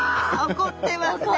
怒ってますね。